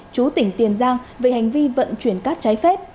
chú tỉnh tiền giang về hành vi vận chuyển cát trái phép